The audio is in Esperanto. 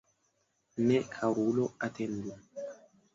Ne, karulo, atendu!